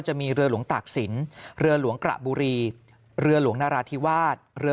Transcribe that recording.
จะมีเรือหลวงตากศิลป์เรือหลวงกระบุรีเรือหลวงนราธิวาส